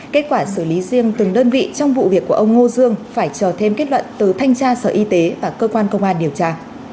kết quả xử lý riêng từng đơn vị trong vụ việc của ông ngô dương phải chờ thêm kết luận từ thanh tra sở y tế và cơ quan công an điều tra